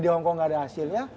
di hongkong tidak ada hasilnya